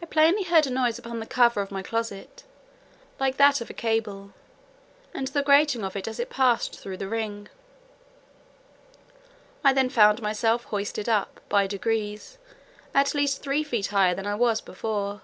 I plainly heard a noise upon the cover of my closet, like that of a cable, and the grating of it as it passed through the ring. I then found myself hoisted up, by degrees, at least three feet higher than I was before.